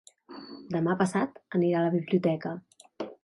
Demà passat anirà a la biblioteca.